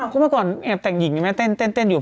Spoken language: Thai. ก็เมื่อก่อนแอบแต่งหญิงแม่เต้นอยู่